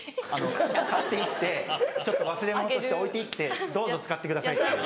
買って行ってちょっと忘れ物として置いて行ってどうぞ使ってくださいっていう。